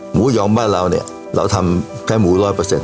หมูยอมบ้านเราเนี่ยเราทำแค่หมูร้อยเปอร์เซ็น